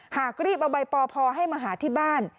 หากรีบเอาใบปพให้มาหาที่บ้าน